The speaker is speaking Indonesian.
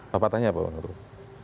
pepatahnya apa pak